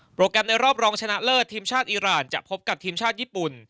แกรมในรอบรองชนะเลิศทีมชาติอีรานจะพบกับทีมชาติญี่ปุ่น